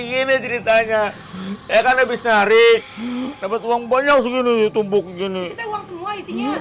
gini ceritanya ya kan habis nyari dapat uang banyak segitu tumbuk gini uang semua isinya